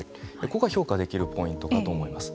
ここは評価できるポイントかと思います。